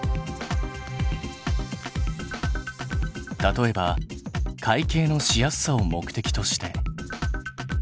例えば会計のしやすさを目的として。